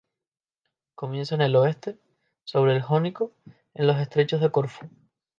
Comienza en el oeste sobre el Jónico en los estrechos de Corfú.